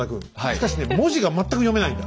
しかしね文字が全く読めないんだ。